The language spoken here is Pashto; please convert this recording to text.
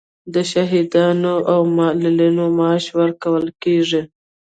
د شهیدانو او معلولینو معاش ورکول کیږي